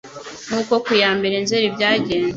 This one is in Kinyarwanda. Nk'uko ku ya mbere Nzeri byagenze